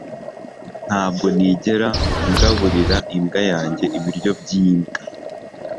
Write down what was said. Ntabwo nigera ngaburira imbwa yanjye ibiryo byimbwa